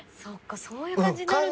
そういう感じになるんですね。